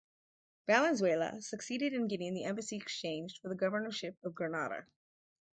Valenzuela succeeded in getting the embassy exchanged for the governorship of Granada.